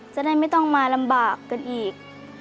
จะได้ไม่ต้องมาลำบากกันอีก